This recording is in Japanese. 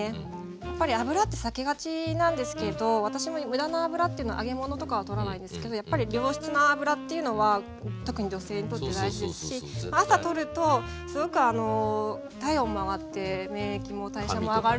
やっぱり油って避けがちなんですけど私も無駄な油というのは揚げ物とかは取らないですけどやっぱり良質な油っていうのは特に女性にとって大事ですし朝取るとすごく体温も上がって免疫も代謝も上がるので。